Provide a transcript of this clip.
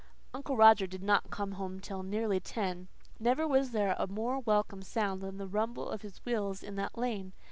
Uncle Roger did not come until nearly ten. Never was there a more welcome sound than the rumble of his wheels in the lane.